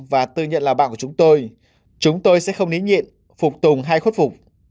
và tư nhận là bạn của chúng tôi chúng tôi sẽ không ní nhiện phục tùng hay khuất phục